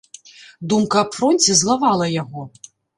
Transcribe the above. Думка аб фронце злавала яго.